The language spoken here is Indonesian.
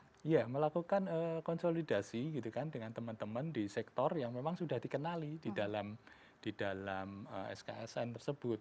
iya melakukan konsolidasi gitu kan dengan teman teman di sektor yang memang sudah dikenali di dalam sksn tersebut